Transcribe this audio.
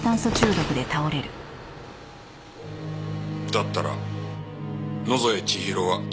だったら野添千尋はどうして？